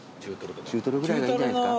中トロぐらいがいいんじゃないですか？